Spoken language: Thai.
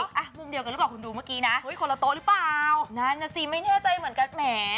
อ่ะมุมเดียวกันหรือเปล่าคุณดูเมื่อกี้นะอุ้ยคนละโต๊ะหรือเปล่านั่นน่ะสิไม่แน่ใจเหมือนกันแหม